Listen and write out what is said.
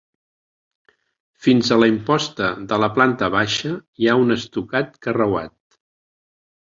Fins a la imposta de la planta baixa hi ha un estucat carreuat.